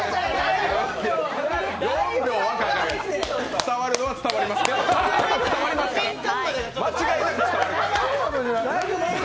伝わるのは伝わりますから。